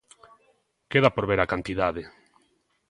Queda por ver a cantidade.